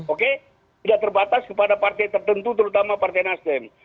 oke tidak terbatas kepada partai tertentu terutama partai nasdem